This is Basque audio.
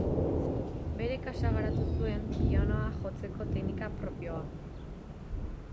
Bere kasa garatu zuen pianoa jotzeko teknika propioa.